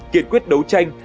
kiệt quyết đấu tranh